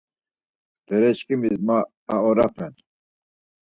Bereçkimis ma aoropen.